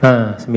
nah sembilan ini